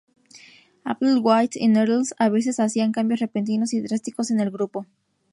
Applewhite y Nettles a veces hacían cambios repentinos y drásticos en el grupo.